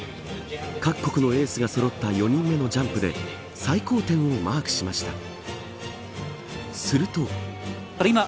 各国のエースがそろった４人目のジャンプで最高点をマークしました。